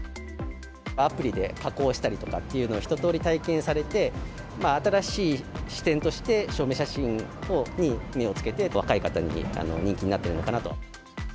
アプリで加工したりとかっていうのを一通り体験されて、新しい視点として、証明写真に目をつけて、若い方に人気になってるのかなと。